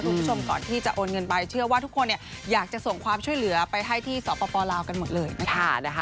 คุณผู้ชมก่อนที่จะโอนเงินไปเชื่อว่าทุกคนเนี่ยอยากจะส่งความช่วยเหลือไปให้ที่สปลาวกันหมดเลยนะคะ